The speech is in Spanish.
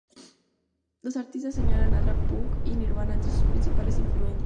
Los artistas señalan a Daft Punk y Nirvana entre sus principales influencias.